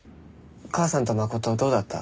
母さんと真はどうだった？